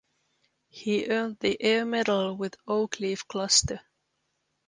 He earned the Air Medal with oak leaf cluster.